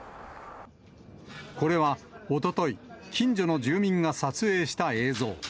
これはおととい、近所の住民が撮影した映像。